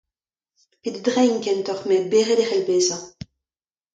Pe da dreiñ, kentoc'h. Met berraet e c'hell bezañ.